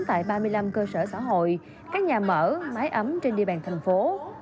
tại ba mươi năm cơ sở xã hội các nhà mở mái ấm trên địa bàn thành phố